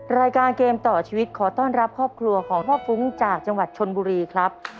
รายการเกมต่อชีวิตขอต้อนรับครอบครัวของพ่อฟุ้งจากจังหวัดชนบุรีครับ